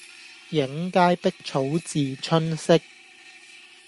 映階碧草自春色